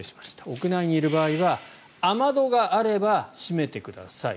屋内にいる場合は雨戸があれば閉めてください。